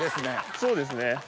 そうですね。